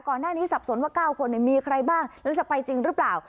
ก่อนหน้านี้สับสนว่า๙คนมีใครบ้างแล้วจะไปจริงหรือเปล่า